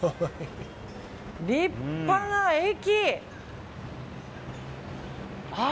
立派な駅。